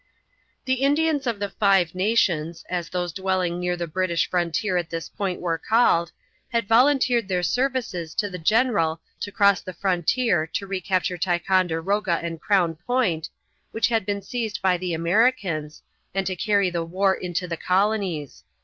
The Indians of the Five Nations, as those dwelling near the British frontier at this point were called, had volunteered their services to the general to cross the frontier to recapture Ticonderoga and Crown Point, which had been seized by the Americans, and to carry the war into the colonies.